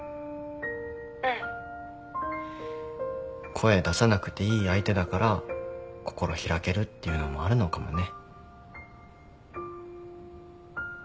声出さなくていい相手だから心開けるっていうのもあるのかもね。